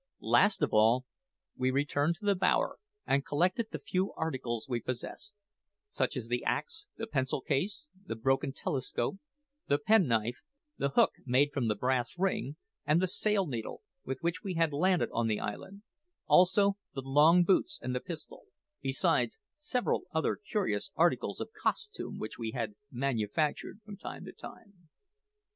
Last of all, we returned to the bower and collected the few articles we possessed such as the axe, the pencil case, the broken telescope, the penknife, the hook made from the brass ring, and the sail needle, with which we had landed on the island; also the long boots and the pistol, besides several curious articles of costume which we had manufactured from time to time.